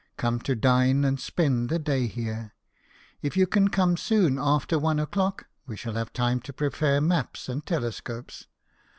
Come to dine and spend the day here. If you can come soon after one o'clock, we shall have time to prepare maps and telescopes.